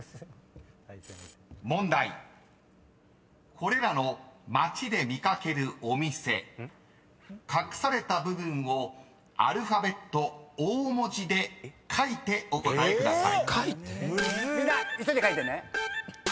［これらの街で見掛けるお店隠された部分をアルファベット大文字で書いてお答えください］